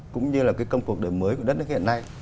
cũng như là cái công cuộc đời mới của đất nước hiện nay